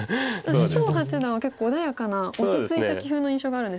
首藤八段は結構穏やかな落ち着いた棋風の印象があるんですけど。